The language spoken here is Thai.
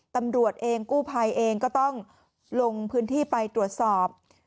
ตำรวจเองกู้ภัยเองก็ต้องลงพื้นที่ไปตรวจสอบ